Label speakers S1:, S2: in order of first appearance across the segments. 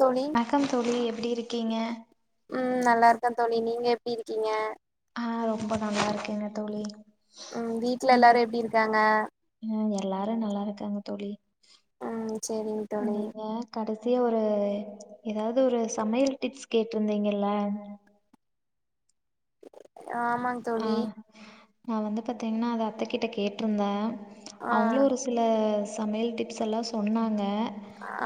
S1: தோழி
S2: வணக்கம் தோழி எப்டி இருக்கீங்க
S1: ம் நல்லாருக்கே தோழி நீங்க எப்டி இருக்கீங்க
S2: ஆ ரொம்போ நல்லாருக்கேங்க தோழி
S1: ம் வீட்ல எல்லாரு எப்டி இருக்காங்க
S2: ம் எல்லாரு நல்லாருக்காங்க தோழி
S1: ம் சேரிங் தோழி
S2: நீங்க கடசியா ஒரு எதாவ்து ஒரு சமையல் டிப்ஸ் கேட்ருந்தீங்கல்ல
S1: ஆமாங்
S2: ஆ
S1: தோழி
S2: நா வந்து பாத்தீங்ன்னா அத அத்தகிட்ட கேட்ருந்தே
S1: ஆ
S2: அவுங்ளு ஒரு பில சமையல் டிப்ஸ் எல்லா சொன்னாங்க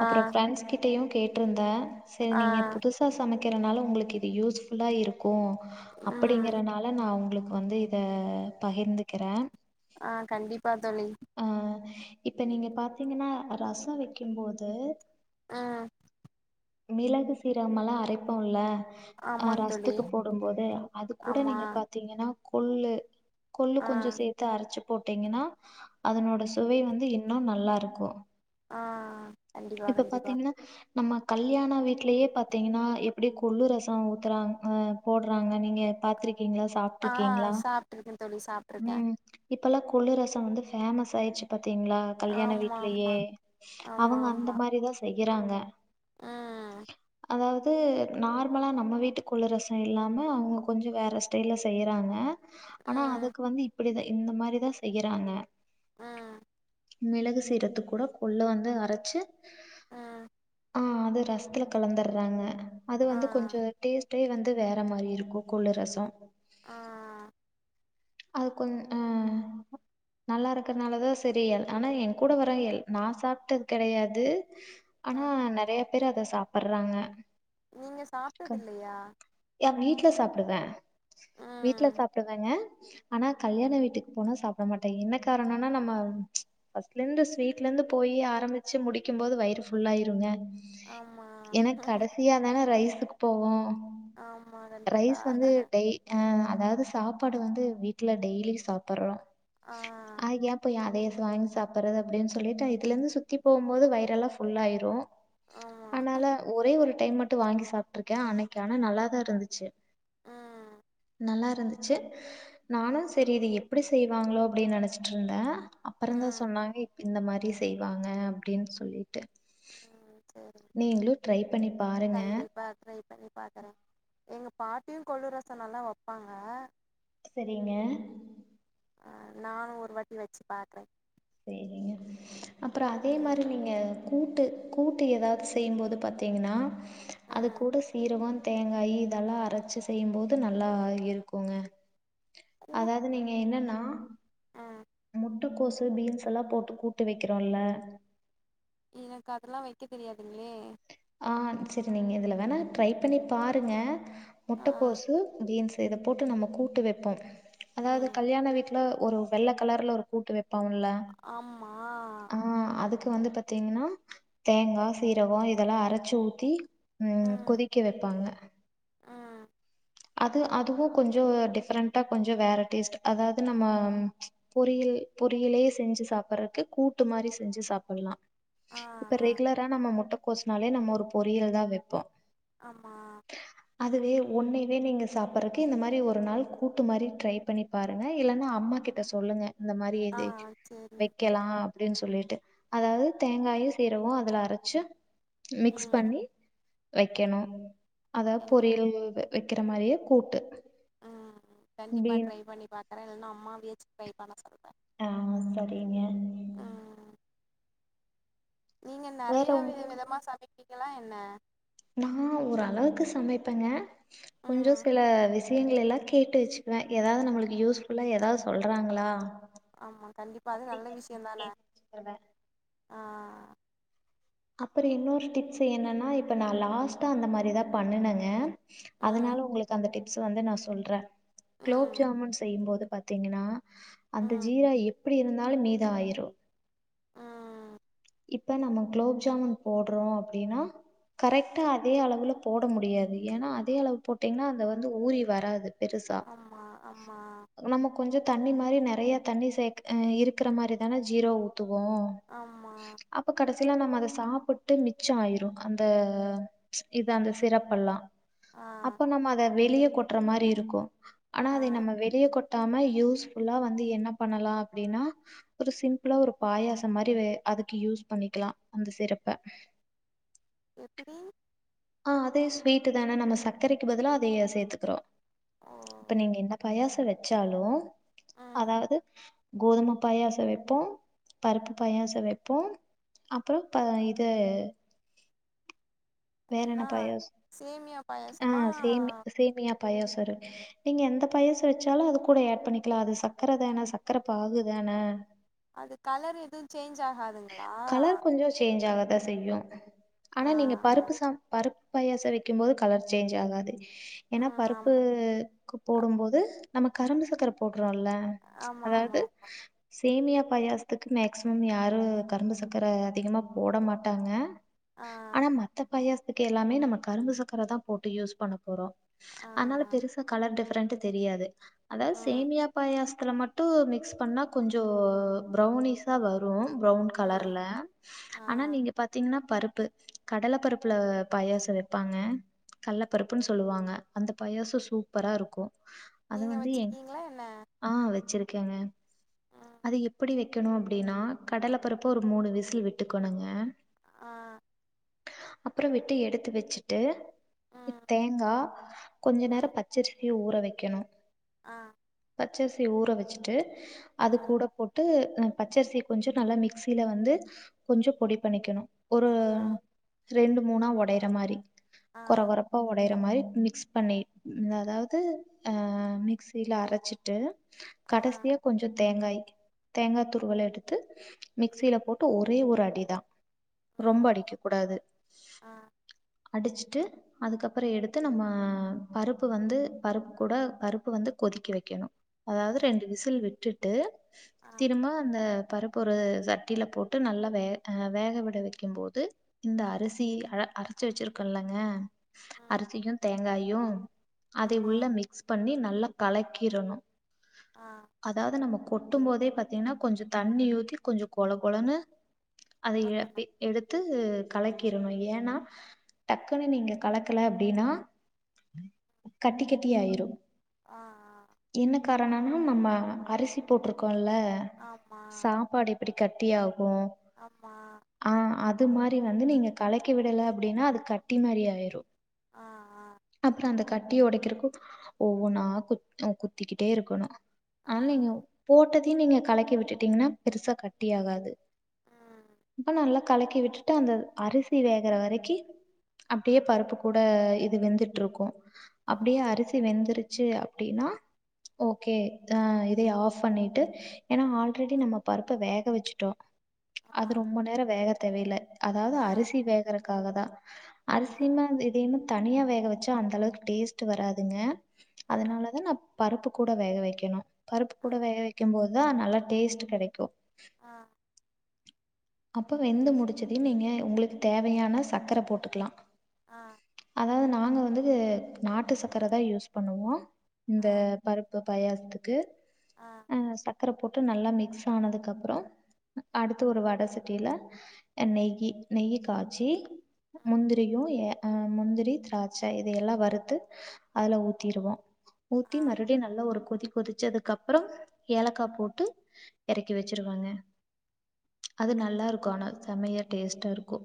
S1: ஆ
S2: அப்ற ஃப்ரண்ட்ஸ் கிட்ட டையு கேட்ருந்தே சேரி
S1: ஆ
S2: நீங்க புதுசா சமைக்கிறனால உங்களுக்கு இது யூஸ்ஃபுல்லா இருக் கு
S1: ம்
S2: அப்டிங்கறனால நா உங்களுக்கு வந்து இத பகிர்ந்துக்கிறே
S1: ஆ கண்டிப்பா தோழி
S2: அ இப்ப நீங்க பாத்தீங்கன்னா ரச வெக்கும் போது
S1: அ
S2: மிளகு சீரகமெல்லா அரைப்போல்ல அ
S1: ஆமாங் தோழி
S2: ரசத்துக்கு போடுபோது அது கூட
S1: ஆமா
S2: நீங்க பாத்தீங்கன்னா கொள்ளு கொள்ளு
S1: ஆ
S2: கொஞ்ச சேத் து அரச்சு போட்டீங்கன்னா அதனோட சுவை வந்து இன்னு நல்லாருக்கு
S1: ஆ கண்டிப்பா
S2: இப்ப
S1: கண்டிப்பா
S2: பாத்தீங்கன்னா நம்ம கல்யாண வீட்லயே பாத்தீங்கன்னா எப்டி கொள்ளு ரசோ ஊத்துறாங்க போட்றாங்க நீங்க பாத்துருக்கீங்ளா சாப்
S1: ஆ சாப்ட்ருக்கே தோழி சாப்
S2: ம் இப்பெல்லா கொள்ளு ரசம் வந்து ஃபேமஸ் ஆயிடுச்சு பாத்தீங்ளா கல்யாண
S1: ஆமா
S2: வீட்லயே
S1: ஆமா ஆமா
S2: அவுங்க அந்த மாரிதா செய்றாங்க
S1: ஆ
S2: அதாவுது நார்மலா நம்ம வீட்டு கொள்ளு ரசோ இல்லாம அவுங்க கொஞ்ச வேற ஸ்டைல செய்றாங்க ஆனா
S1: ம்
S2: அதுக்கு வந்து இப்டிதா இந்த மாரிதா செய்றாங்க
S1: ஆ
S2: மிளகு சீரகத்து கூட கொள்ளு வந்து அரச்சு
S1: ம்
S2: அ அது ரசத்துல கலந்துறாங்க அது
S1: ஆ
S2: வந்து கொஞ்சோ டேஸ்ட்டே வந்து வேற மாரி இருக்கு கொள்ளு ரெசோ
S1: ஆ
S2: அது கொஞ் அ நல்லா இருக்கறனாலதா செரி ஆனா என் கூட வரவுங்க எல் நா சாப்டது கெடையாது
S1: ஆ
S2: ஆனா நெறைய பேர் அத சாப்பறாங்க
S1: நீங்க சாப்ட்டது இல்லையா
S2: எ வீட்ல சாப்டுவே வீட்ல
S1: ம்
S2: சாப்டுவேங்க ஆனா கல்யாண வீட்டுக்கு போனா சாப்ட மாட்டே என்ன காரணோனா நம்ம ஃபஸ்ட்ல இருந்து ஸ்வீட்ல இருந்து போய் ஆரம்பிச்சு முடிக்கு போது வயிறு ஃபுல்லாயிருங்க
S1: ஆமா
S2: ஏனா கடைசியாதான ரைஸ்க்கு போவோ ம்
S1: ஆமா கண்டிப்பா
S2: ரைஸ் வந்து டெய் அ அதாவது சாப்பாடு வந்து வீட்ல டெய்லியு சாப்பர்றோ
S1: ஆ
S2: அ எப் போய் அதையஸ் வாங்கி சாப்பறது அப்டின் சொல்லிட்டு இதுலந்து சுத்தி போம்போது வயிரல்லா ஃபுல்லாயிரு.
S1: ஆமா
S2: அனால ஒரே ஒரு டைம் மட்டு வாங்கி சாப்ட்டுருக்கே அன்னிக்கு ஆனா நல்லாதா இருந்துச்சு.
S1: ம்.
S2: நல்லா இருந்துச்சு நானு செரி இது எப்டி செய்வாங்ளோ அப்டின் நெனச்சிட்ருந்தே. அப்பறந்தா
S1: ம்
S2: சொன்னாங்க இப் இந்த மாரி செய்வாங்க அப்டின் சொல்லி ட்டு
S1: சரிங்க
S2: நீங்ளு ட்ரை பண்ணி பாருங்க.
S1: பாத்ரை பண்ணி பாக்கறே எங்க பாட்டியு கொல்லு ரசோ நல்லா வெப்பாங்க.
S2: செரிங்க.
S1: ஆ நானு ஒரு வாட்டி வெச்சு பாக்றே.
S2: சேரிங்க அப்றோ அதே மாரி
S1: ம்
S2: நீங்க கூட்டு கூட்டு எதாவது செய்யும்போது பாத்தீங்கன்னா அது
S1: ம்
S2: கூட சீரகோ தேங்காயி இதெல்லா அரச்சு செய்யும்போது நல்லா இருக்குங்க.
S1: கூ
S2: அது நீங்க என்னென்னா முட்டுக்கோஸு பீன்ஸ் எல்லா போட்டு கூட்டு வெக்கறோல்ல
S1: இ எனக்கு அதெல்லா வெக்க தெரியாதுங்ளே.
S2: ஆ செரி நீங்க இதுல வேணா ட்ரை பண்ணி பாருங்க
S1: ஆ
S2: முட்டைக்கோஸு, பீன்ஸ் இத போட்டு நம்ம கூட்டு வெப்போம். அதாவது
S1: ம்
S2: கல்யாண வீட்ல ஒரு வெள்ள கலர்ல ஒரு கூட்டு வெப்பாங்கள்ல.
S1: ஆம்மா.
S2: அ அதுக்கு வந்து பத்தீங்கன்னா தேங்கா, சீரகோ இதெல்லா அரச்சு ஊத்தி ம் கொதிக்க வெப்பாங்க.
S1: அ
S2: அது அதுவு கொஞ்சோ டிஃப்ரெண்ட்டா கொஞ்சோ வேற டேஸ்ட் அதாவது நம்ம பொரியல் பொரியலயே செஞ்சு சாப்பறக்கு கூட்டு மாரி செஞ்சு சாப்பல்லா.
S1: ஆ
S2: இப்ப
S1: ஆ
S2: ரெகுலரா நம்ம முட்டகோஸ்னாலே நம்ம ஒரு பொரியல் தா வெப்போ.
S1: ஆம்மா.
S2: அதுவே ஒன்னே வே நீங்க சாப்பறக்கு இந்த மாரி ஒரு நாள் கூட்டு மாரி ட்ரை பண்ணி பாருங்க இல்லன்னா அம்மா கிட்ட சொல்லுங்க. இந்த மாரி
S1: ஆ
S2: இது
S1: சரிங்க தோழி
S2: வெக்கலா. அப்டின் சொல்லிட்டு அதாவது தேங்காயு சீரகோ அதுல அரச்சு மிக்ஸ்
S1: ம்
S2: பண்ணி வெக்கணு அதாவ்
S1: கண்டிப்பா
S2: பொரியல்வ் வெக்கற மாரியே கூட்டு.
S1: ம் கண்டிப்பா
S2: பீன்
S1: ட்ரை பண்ணி பாக்கறே இல்ன்னா அம்மாவயாச்சு ட்ரை பண்ண சொல்றே.
S2: ஆ சரிங்க.
S1: ம் நீங்க
S2: வேற
S1: நறையா
S2: உங்
S1: வித விதமா சமைப்பிங்களா என்ன?
S2: நா ஒரளவுக்கு சமைப்பங்க. கொஞ்சோ
S1: ம்
S2: சில விஷயங்கள எல்லா கேட்டு வெச்சுக்குவே எதாவது நம்மளுக்கு யூஸ்ஃபுல்லா எதாவ் சொல்றாங்களா
S1: ஆமா கண்டிப்பா அது நல்ல
S2: அப்டிங்கிறது
S1: விஷ்யந்தான
S2: கேட்டு வச்சுக்குவே
S1: ஆ.
S2: அப்புற இன்னோரு டிப்ஸ் என்னன்னா இப்ப நா லாஸ்ட்டா அந்த மாரிதா பண்ணுனங்க.
S1: ம்
S2: அதனால உங்குளுக்கு அந்த டிப்ஸ் வந்து நா சொல்றே. குலோப்
S1: ம்
S2: ஜாமுன் செய்யும்போது பாத்தீங்கனா அந்த
S1: ம்
S2: ஜீரா எப்பிடி இருந்தாலு மீத ஆயிரு.
S1: ம்
S2: இப்ப நம்ம குலோப் ஜாமுன் போட்றோ அப்டினா கரெக்டா அதே அளவுல போட முடியாது ஏனா அதே அளவு போட்டீங்கனா அந்த வந்து ஊறி வராது பெருசா
S1: ஆமா ஆமா
S2: நம்ம கொஞ்சோ தண்ணி மாரி நெறயா தண்ணி சேக்க இருக்கற மாரிதானே ஜீரோ ஊத்துவோ
S1: ஆமா
S2: அப்ப கடைசில நம்ம அத சாப்ட்டு மிச்சோ ஆயிரு அந்த இது அந்த சிறப்பல்லா
S1: ஆ
S2: அப்ப நம்ம அத வெளிய கொட்ற மாரி இருக்கு ஆனா
S1: ஆ
S2: அத நம்ம வெளிய கொ ட்டாம யூஸ்ஃபுல்லா வந்து என்ன பண்ணலா அப்டினா ஒரு சிம்பிளா ஒரு பாயாசம் மாரி அதுக்கு யூஸ் பண்ணிக்கலா அந்த சிறப்ப
S1: எப்டி?
S2: அ அதே ஸ்வீடுதான நம்ம சக்கரைக்கு பதிலா அதய சேத்துக்கிறோ
S1: ஓ
S2: இப்ப நீங்க என்ன பாயாசோ வெச்சாலு
S1: ம்
S2: அதாவது கோதும பாயாசோ வெப்போ பருப்பு பாயாசோ வெப்போ அப்றோ ப இது வேற என்ன பாயசோ
S1: சேமியா
S2: அ
S1: பாயாசமா
S2: சேமி சேமியா பாயாசோ இரு நீங்க எந்த பாயாசோ வெச்சாலு அது கூட ஆட் பண்ணிக்கலா அது சக்கரதான சக்கர பாகுதான
S1: அது கலர் எது சேஞ் ஆகா
S2: கலர் கொஞ்சோ சேஞ்ச் ஆகதா செய்யு
S1: ஆ
S2: ஆனா நீங்க பருப்பு சா பரு ப்பு பாயாசோ வெக்கும்போது கலர் சேஞ்ச் ஆகாது
S1: ஆ
S2: ஏனா பருப்பு
S1: ம்
S2: க்கு போடும்போது நம்ம கரும்பு சக்கரை போடுறோல்ல
S1: ஆமா
S2: அதாவது
S1: ஆமா ஆமா
S2: சேமியா பாயாசத்துக்கு மேக்சிமம் யாரு கரும்பு சக்கர அதிகமா போட மாட்டாங்க
S1: ஆ
S2: ஆனா மத்த பாயாசத்துக்கு எல்லாமே நம்ம கரும்பு சக்கரதா போட்டு யூஸ் பண்ண போறோ
S1: அ
S2: அதனால பெருசா கலர் டிஃபரெண்ட் தெரியாது அதாவது
S1: ம்
S2: சேமியா பாயாசத்துல ம ட்டு மிக்ஸ் பண்ணா கொஞ்சோ ப்ரௌனிஸா வரு ப்ரௌன்
S1: ம்
S2: கலர்ல
S1: ஆ
S2: ஆனா நீங்க பாத்தீங்கன்னா பருப்பு கடல பருப்புல பாயாசோ வெப்பாங்க கல்ல பருப்புன்னு சொல்லுவாங்க அந்த பாயசோ சூப்பரா இருக்கு அது
S1: நீங்க
S2: வந்து என்
S1: வச்சிருக்கீங்களா என்ன
S2: அ வெச்சிருக்கேங்க
S1: ம்
S2: அது எப்டி வெக்கணு அப்டினா கடல பருப்ப ஒரு மூணு விசில் விட்டுக்கோணுங்க
S1: அ
S2: அப்றோ விட்டு எடுத்து வெச்சுட்டு
S1: ம்
S2: தேங்காகொஞ்ச நேரோ ப ச்சரிசிய ஊற வெக்கணு
S1: அ
S2: பச்சரிசிய ஊற வெச்சுட்டு அது
S1: ம்
S2: கூட போட்டு ந பச்சரிசி கொஞ்சோ நல்லா மிக்சில வந்து கொஞ்சோ பொடி பண்ணிக்கணு ஒரு
S1: ஆ
S2: ரெண்டு மூணா ஒடையற மாரி
S1: ஆ
S2: கொர கொர ப்பா ஒடையற மாரி மிக்ஸ் பண்ணி அதாவது அ மிக்சில அரச்சிட்டு
S1: ஆ
S2: கடைசியா கொஞ்சோ தேங்காய் தேங்கா துருவல எடு தத்து மிக்சில போட்டு ஒரே ஒரு அடிதா ரொம்ப
S1: ம்
S2: அடிக்க கூடாது
S1: ஆ
S2: அடிச்சுட்டு அதுக்கப்றோ எடுத்து நம்ம பருப்பு வந்து பருப்பு கூட பருப்பு வந்து கொதிக்க வெக்கணு அதாவது
S1: ம்
S2: ரெண்டு விசில் விட்டுட்டு
S1: ஆ
S2: திரும்ப அந்த பருப்பு ஒரு சட்டியில போட்டு நல்லா வே அ வேக விட வைக்கும் போது இந்த அரிசி அ அரைச்சு வச்சிருக்கோ இல்லங்க
S1: ம்
S2: அரிசியு தேங்காயு அத
S1: ஆமா
S2: உள்ள மிக்ஸ் பண்ணி நல்லா கலக்கிரணு
S1: ஆ
S2: அதாவது நம்ம கொட்டும் போதே பாத்தீங்கன்னா கொஞ்ச தண்ணி ஊத்தி கொஞ்ச கொழ கொழன்னு அதைய
S1: கொத்தனா
S2: அப்டி எடுத்து கலக்கிரணு ஏன்னா டக்குன்னு நீங்க கலக்கல அப்டின்னா கட்டி கட்டியாயிரு
S1: ஆ ஆ
S2: என்ன காரணம்னா நம்ம அரிசி போட்ருக்கோல
S1: ஆமா
S2: சாப்பாடு எப்டி கட்டி ஆகு
S1: ஆமா
S2: ஆ அது மாரி வந்து நீங்க கலக்கி விடல அப்டின்னா அது கட்டி மாரி ஆயிரு
S1: ஆ ஆ
S2: அப்பற அந்த கட்டிய ஒடைக்கிறக்கு ஒவ்வொன்னா குத்திக்கிட்டே இருக்கணு
S1: ஆ
S2: ஆனா நீங்க போட்டதையு நீங்க கலக்கி விட்டுட்டீங்கன்னா பெருசா கட்டியாகாது
S1: ம்
S2: ப்ப நல்லா கலக்கி விட்டுட்டு அந்த அரிசி வேகற வரைக்கி அப்டியே பருப்பு கூட இது வெந்துட்டுருக்கு அப்டியே அரிசி வெந்துருச்சு அப்டின்னா ஓகே ஆ இதை ஆஃப் பண்ணிட்டு ஏன்னா ஆள் ஆல்ரெடி நம்ம பருப்ப வேக வச்சுட்டோ அது
S1: மா
S2: ரொம்ப நேர வேக தேவ இல்ல அதாவது
S1: ஆ
S2: அரிசி வேகறக்காக தா
S1: ஆ
S2: அரிசியமா இதையுமா தனியா வேக வச்சா அந்தளவுக்கு டேஸ்ட் வராதுங்க
S1: ஆ
S2: அதனாலதா நா பருப்பு கூட வேக வைக்கணு பருப்பு
S1: ஆ
S2: கூட வேக வைக்கும் போதுதா நல்லா டேஸ்ட் கெடைக்கு
S1: ஆ
S2: அப்போ வெந்து முடிச்சது நீங்க உங்களுக்கு தேவையான சக்கர போட்டுக்குலா
S1: ஆ
S2: அதாவது நாங்க வந்து நாட்டு சக்கர தா யூஸ் பண்ணுவோ இந்த பருப்பு பயாசத்துக்கு
S1: ஆ
S2: அ சக்கர போட்டு நல்லா மிக்ஸ் ஆனதுக்கப்பறோ அடுத்து ஒரு வட சட் ட்டில அ நெய்யி நெய்யி காய்ச்சி முந்திரியு ஏ ம் முந்திரி திராட்ச்ச இதையெல்லா வறுத்து அதுல ஊத்திருவோ ஊத்தி
S1: ஆ
S2: மறு டியே நல்லா ஒரு கொதி கொதிச்சதுக்கப்பற ஏலக்கா போட்டு எறக்கி வச்சிருவாங்க அது நல்லாருக்கு ஆனா செம்மைய டேஸ்ட்டா இருக்கு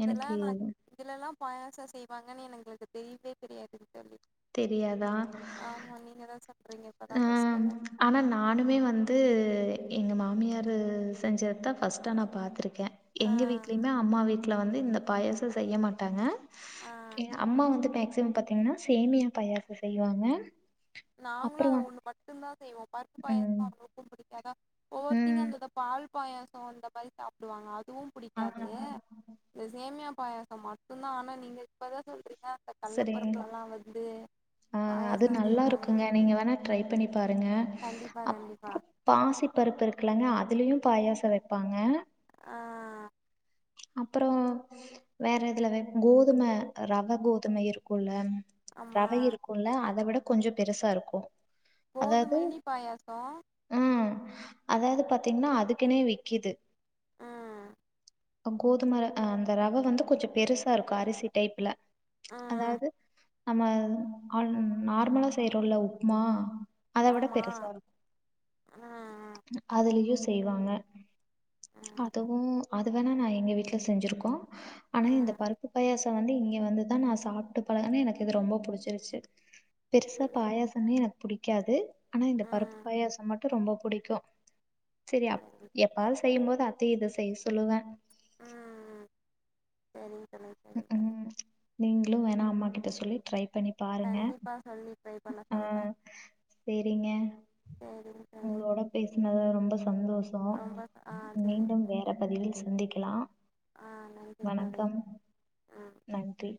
S1: இதெல்லா நா இதுலலா பாயாசம் செய்வாங்கன்னு என எங்களுக்கு தெரியவே தெரியாதுங்தோழி
S2: தெரியாதா
S1: ஆமா நீங்க தா சொல்றீங்க இப்பதா
S2: ஆ,
S1: ஃபஸ்ட்டுனு
S2: ஆனா நானுமே வந்து எங்க மாமியாரு செஞ்சது தா ஃபஸ்ட்டா நா பாத்துரு க்கே
S1: ஆ
S2: எங்க வீட்லயுமே அம்மா வீட்ல வந்து இந்த பாயாச செய்ய மாட்டாங்க
S1: ஆ
S2: எ அம்மா வந்து மேக்சிமம் பாத்தீங்கன்னா சேமியா பாயாச செய்வாங்க
S1: நாங்களு
S2: அப்புறம்
S1: அத
S2: வந்
S1: ஒன்னு மட்டுந்தா செய்வோ பருப்பு பாயாச
S2: ம்,
S1: அவங்களுக்கு புடிக்காதா ஒவ்வொருத்திங்க
S2: ம்.
S1: அந்தத பால் பாயாச இந்த மாரி சாப்டுவாங்க அதுவு
S2: ஆ
S1: புடிக்காது இது சேமியா பாயாச மட்டு தா ஆனா நீங்க இப்பதா சொல்றீங்க இந்த கள்ள
S2: சரிங்க.
S1: பருப்புலலா வந்து பாயச செய்
S2: நீங்க நீங்க வேணா ட்ரை பண்ணி பாருங்க
S1: கண்டிப்பா கண்டிப்பா
S2: அப்புறம் பாசி பருப்பு இருக்குலங்க அதுலயு பாயாச வெப்பாங்க
S1: ஆ
S2: அப்பறோ வேற எதுல வெப் கோதும ரவ கோதும இருக்குல்ல
S1: ஆமா
S2: ரவை இருக்குல்ல அத விட கொஞ்சோ பெருசாருக்கு
S1: கோதுமைலி பாயாச
S2: ம் அதாது பாத்தீங்னா அதுக்குனே விக்கிது
S1: ம்
S2: கோதும ர அந்த ரவ வந்து கொஞ்சோ பெருசா இருக்கு அரிசி டைப்ல
S1: ம்
S2: அதாவது நம்ம ஆ நார்மலா செய்றோல உப்புமா அதவிட
S1: ஆமா
S2: பெருசா இருக்கு
S1: ம்
S2: அதுலியு செய்வாங்க
S1: ம்
S2: அதுவு அது வேணா நா எங்க வீட்ல செஞ்சிருக்கோ ஆனா இந்த
S1: ம்
S2: பருப்பு பாயாச இப்ப வந்து இங்க வந்துதா நா சாப்ட்டு பழகுனே எனக்கு இது ரொம்ப புடிச்சிருச்சு பெருசா பாயாசமே எனக்கு புடிக் புடிக்காது ஆனா இந்த பருப்பு
S1: ம்
S2: பாயாச மட்டு ரொம்ப புடிக்கு. சரியா
S1: சரி.
S2: எப் பால் செய்யும்போது அத்தைய இத செய்ய சொல்லுவ
S1: சரிங் தோழி சரிங்க தோழி
S2: ம் க்கு நீங்களு வேணா அம்மா கிட்ட சொல்லி ட்ரை பண்ணி பாருங்க
S1: கண்டிப்பா சொல்லி ட்ரை பண்ண சொல்றே
S2: ம்க்கு சேரிங்க
S1: சரிங்க தோழி
S2: உங்களோட பேசினது ரொம்ப சந்தோஷ
S1: ரொம்ப ஆ சரிங்க
S2: மீண்டு
S1: தோழி
S2: வேற பதிவில் சந்திக்லா
S1: ஆ நன்றிங்க தோழி
S2: வணக்கம்
S1: ம்
S2: நன்றி